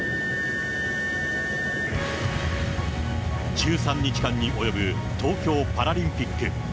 １３日間に及ぶ東京パラリンピック。